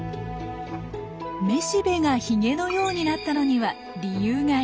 めしべがヒゲのようになったのには理由があります。